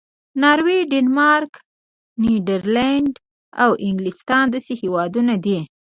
ناروې، ډنمارک، نیدرلینډ او انګلستان داسې هېوادونه دي.